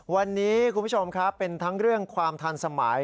วันนี้คุณผู้ชมครับเป็นทั้งเรื่องความทันสมัย